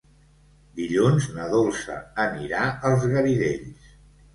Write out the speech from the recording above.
Dilluns na Dolça anirà als Garidells.